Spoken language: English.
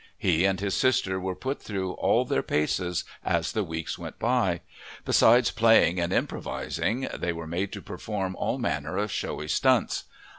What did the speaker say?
He and his sister were put through all their paces as the weeks went by; besides playing and improvising they were made to perform all manner of showy stunts.